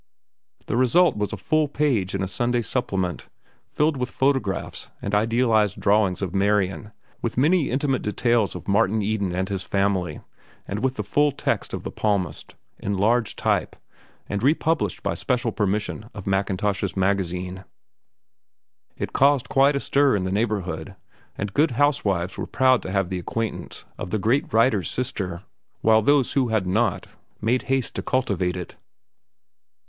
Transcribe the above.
The result was a full page in a Sunday supplement, filled with photographs and idealized drawings of Marian, with many intimate details of Martin Eden and his family, and with the full text of "The Palmist" in large type, and republished by special permission of Mackintosh's Magazine. It caused quite a stir in the neighborhood, and good housewives were proud to have the acquaintances of the great writer's sister, while those who had not made haste to cultivate it.